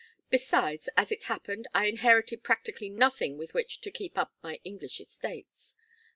Besides, as it happened, I inherited practically nothing with which to keep up my English estates.